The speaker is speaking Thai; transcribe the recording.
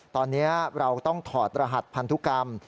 ตอนนี้เราต้องถอดรหัสพันธุกรรม